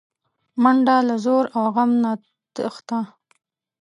منډه له ځور او غم نه تښته